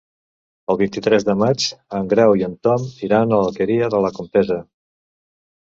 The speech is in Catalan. El vint-i-tres de maig en Grau i en Tom iran a l'Alqueria de la Comtessa.